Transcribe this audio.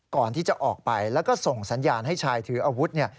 ก่อนที่จะออกไปแล้วก็ส่งสัญญาณให้ชายถืออาวุธเนี่ย